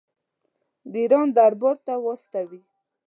د ایران دربار ته واستوي.